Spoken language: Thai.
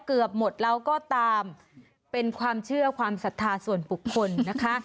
เกือบหมดแล้วก็ตามเป็นความเชื่อความศรัทธาส่วนบุคคลนะคะ